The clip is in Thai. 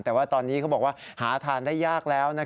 แต่ว่าตอนนี้เขาบอกว่าหาทานได้ยากแล้ว